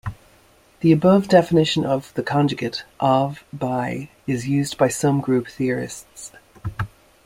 The above definition of the conjugate of by is used by some group theorists.